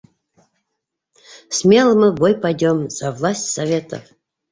Смело мы в бой пойдем за власть Советов